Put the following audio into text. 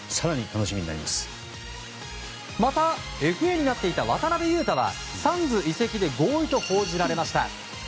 また、ＦＡになっていた渡邊雄太はサンズ移籍で合意と報じられました。